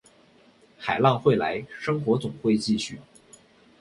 海浪会来，生活总会继续